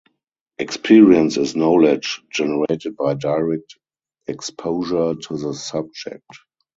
Experience is knowledge generated by direct exposure to the subject.